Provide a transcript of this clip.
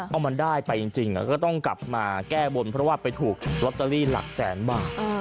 เอามันได้ไปจริงก็ต้องกลับมาแก้บนเพราะว่าไปถูกลอตเตอรี่หลักแสนบาท